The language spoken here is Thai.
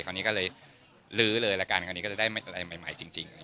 คราวนี้ก็เลยลื้อเลยละกันคราวนี้ก็จะได้อะไรใหม่จริง